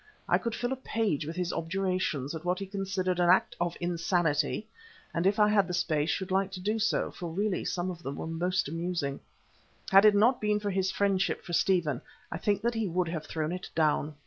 I could fill a page with his objurgations at what he considered an act of insanity, and if I had space, should like to do so, for really some of them were most amusing. Had it not been for his friendship for Stephen I think that he would have thrown it down.